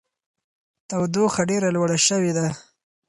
تودوخه ډېره لوړه شوې ده.